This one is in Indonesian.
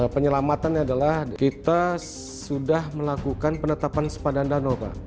penyelamatan adalah kita sudah melakukan penetapan sempadan danau